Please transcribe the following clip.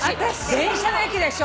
電車の駅でしょ